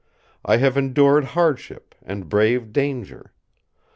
I have endured hardship, and braved danger.